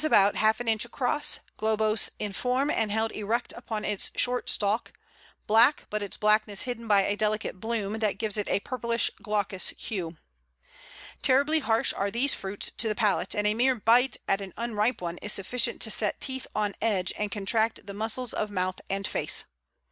The fruit is about half an inch across, globose in form, and held erect upon its short stalk; black, but its blackness hidden by a delicate "bloom" that gives it a purplish glaucous hue. Terribly harsh are these fruits to the palate, and a mere bite at an unripe one is sufficient to set teeth on edge and contract the muscles of mouth and face.